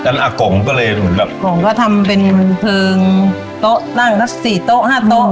อากงก็เลยเหมือนแบบก๋งก็ทำเป็นเพลิงโต๊ะตั้งสักสี่โต๊ะห้าโต๊ะ